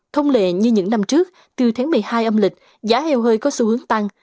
thông lệ như những năm trước từ tháng một mươi hai âm lịch giá heo hơi có xu hướng tăng